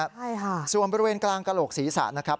ใช่ฮะส่วนบริเวณกลางโกรกศรีษะนะครับ